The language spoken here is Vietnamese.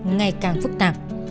ngày càng phức tạp